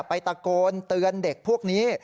ตะโกนเตือนเด็กพวกนี้